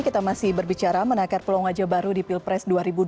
kita masih berbicara menakar peluang wajah baru di pilpres dua ribu dua puluh